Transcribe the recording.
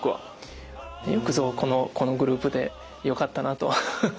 よくぞこのグループでよかったなと思いました。